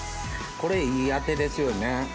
これいいアテですよね。